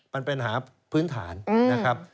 มันเป็นปัญหาพื้นฐานนะครับ